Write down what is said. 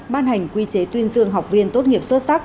ban hành quy chế tuyên dương học viên tốt nghiệp xuất sắc